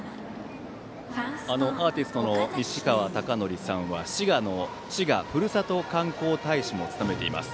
アーティストの西川貴教さんは滋賀ふるさと観光大使も務めています。